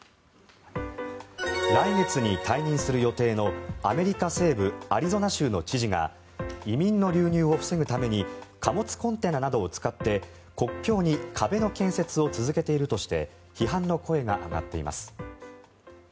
来月に退任する予定のアメリカ西部アリゾナ州の知事が移民の流入を防ぐために貨物コンテナなどを使って国境に壁の建設を続けているとして批判の声が上がっています。